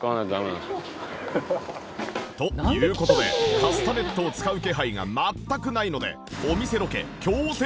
という事でカスタネットを使う気配が全くないので